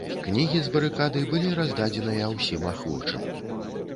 Кнігі з барыкады былі раздадзеныя ўсім ахвочым.